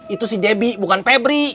itu si debbie bukan febri